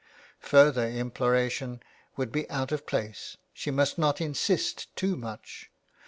Further im ploration would be out of place, she must not insist too much.